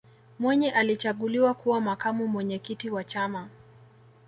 mwinyi alichaguliwa kuwa makamu mwenyekiti wa chama